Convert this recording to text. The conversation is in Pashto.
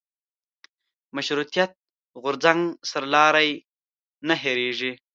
مشروطیت غورځنګ سرلاري نه هېرېږي.